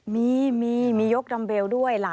มีมียกดำเบลด้วย